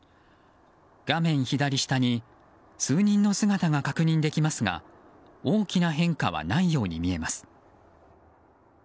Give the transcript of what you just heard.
画面左下に数人の姿が確認できますが大きな変化はないように見えます。